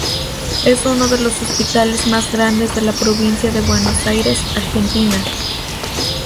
Es uno de los hospitales más grandes de la provincia de Buenos Aires, Argentina.